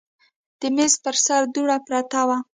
د میز پر سر دوړه پرته وه.